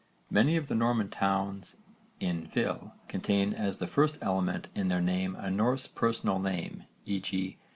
Many of the Norman towns in ville contain as the first element in their name a Norse personal name, e.g.